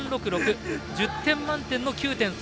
１０点満点の９．３６６。